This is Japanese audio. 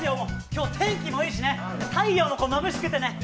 今日、天気もいいしね、太陽もまぶしくてね